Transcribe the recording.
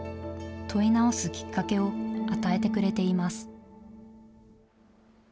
問い直すきっかけを与えてくれています。